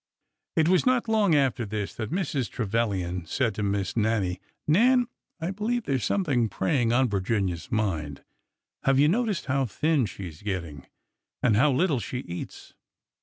It was not long after this that Mrs. Trevilian said to Miss Nannie :" Nan, I believe there is something preying on Virginia's mind. Have you noticed how thin she is getting, and how little she eats